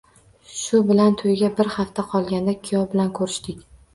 Shu bilan toʻyga bir hafta qolganda kuyov bilan koʻrishdik.